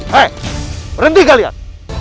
hei berhenti kalian